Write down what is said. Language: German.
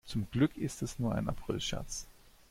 Zum Glück ist es nur ein Aprilscherz.